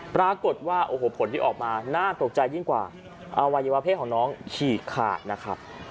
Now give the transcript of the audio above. ปรากฏว่าโอ้โหผลที่ออกมาน่าตกใจยิ่งกว่าอวัยวะเพศของน้องฉีกขาดนะครับ